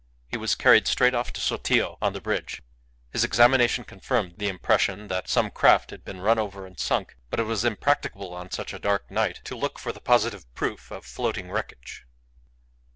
He was carried straight off to Sotillo on the bridge. His examination confirmed the impression that some craft had been run over and sunk, but it was impracticable on such a dark night to look for the positive proof of floating wreckage.